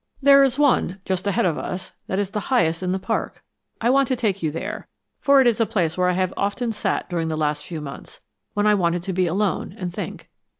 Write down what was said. There is one, just ahead of us, that is the highest in the park. I want to take you there, for it is a place where I have often sat during the last few months, when I wanted to be alone and think."